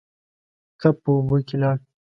کب په اوبو کې لاړ.